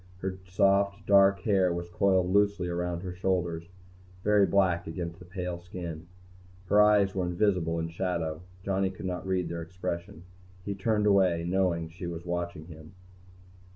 Her soft, dark hair was coiled loosely around her shoulders, very black against the pale skin. Her eyes were invisible in shadow, and Johnny could not read their expression. He turned away, knowing she was watching him.